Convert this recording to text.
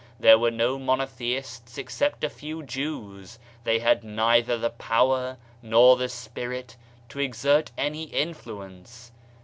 There were no monotheists except a few Jews; they had neither the power nor die spirit to exert any influence.